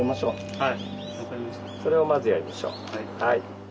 はい。